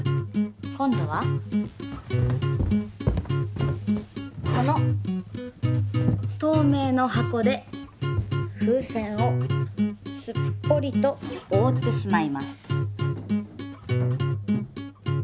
今度はこの透明の箱で風船をすっぽりとおおってしまいます。